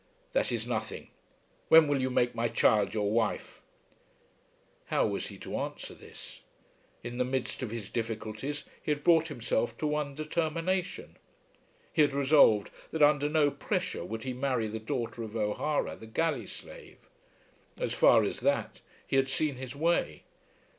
"That is nothing. When will you make my child your wife?" How was he to answer this? In the midst of his difficulties he had brought himself to one determination. He had resolved that under no pressure would he marry the daughter of O'Hara, the galley slave. As far as that, he had seen his way.